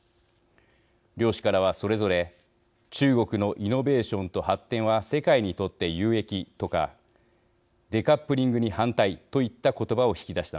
両氏からはそれぞれ中国のイノベーションと発展は世界にとって有益とかデカップリングに反対といった言葉を引き出したのです。